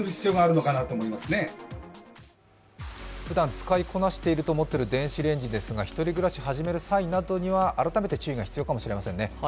ふだん使いこなしていると思っている電子レンジですが１人暮らしを始める際などには改めて注意が必要かもしれませんね。